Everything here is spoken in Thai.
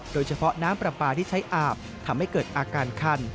โดยเฉพาะน้ำปลาปลาที่ใช้อาบทำให้เกิดอาการคัน